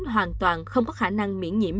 hoàn toàn không có khả năng miễn nhiễm